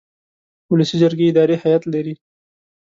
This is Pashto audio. ولسي جرګې اداري هیئت لري.